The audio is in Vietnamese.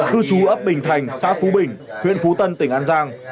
cư trú ấp bình thành xã phú bình huyện phú tân tỉnh an giang